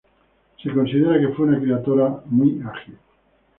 Se considera que fue una criatura muy ágil.